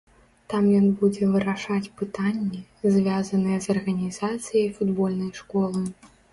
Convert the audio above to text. Там ён будзе вырашаць пытанні, звязаныя з арганізацыяй футбольнай школы.